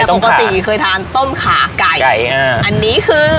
แต่ปกติเคยทานต้มขาไก่ไก่อันนี้คือ